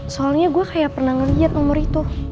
soalnya gue kayak pernah ngeliat nomor itu